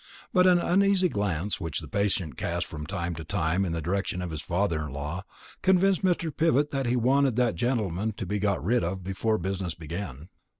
But an uneasy glance which the patient cast from time to time in the direction of his father in law convinced Mr. Pivott that he wanted that gentleman to be got rid of before business began.